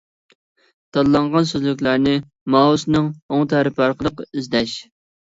تاللانغان سۆزلۈكلەرنى مائۇسنىڭ ئوڭ تەرىپى ئارقىلىق ئىزدەش.